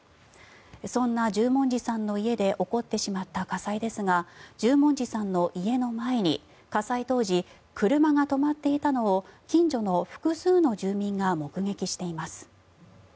そんな十文字さんの家で起こってしまった火災ですが十文字さんの家の前に火災当時車が止まっていたのを近所の複数の住民が目撃しています。